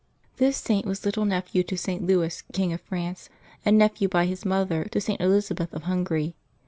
^^His Saint was little nephew to St. Louis, King of KmJ France, and nephew, by his mother, to St. Elizabeth of Hungary.